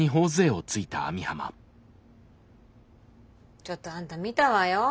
ちょっとあんた見たわよ。